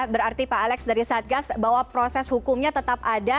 berarti pak alex dari satgas bahwa proses hukumnya tetap ada